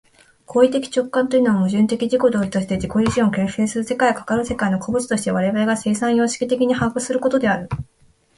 行為的直観というのは、矛盾的自己同一として自己自身を形成する世界を、かかる世界の個物として我々が生産様式的に把握することである。